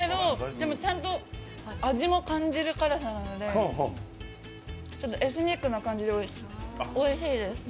結構辛いんですけど、でもちゃんと味も感じる辛さなのでちょっとエスニックな感じでおいしいです。